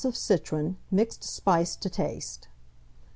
of citron, mixed spice to taste.